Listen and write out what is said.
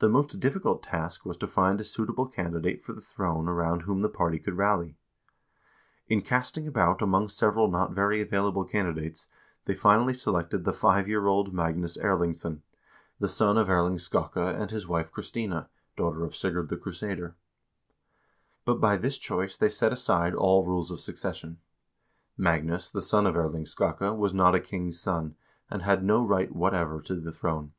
The most difficult task was to find a suitable candidate for the throne around whom the party could rally. In casting about among several not very available candidates, they finally selected the five year old Magnus Erlingsson, 1 Heimskringla, Haakon Herdebreidssaga, 15. 362 HISTORY OF THE NORWEGIAN PEOPLE the son of Erling Skakke and his wife Christina, daughter of Sigurd the Crusader. But by this choice they set aside all rules of succession. Magnus, the son of Erling Skakke, was not a king's son, and had no right whatever to the throne.